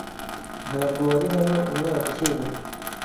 Ntabwo wari hano umwaka ushize.